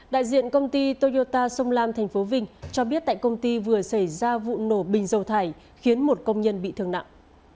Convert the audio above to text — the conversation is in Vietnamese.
đại diện công ty toyota sông lam tp vinh cho biết tại công ty vừa xảy ra vụ nổ bình dầu thải khiến một công nhân bị thương nặng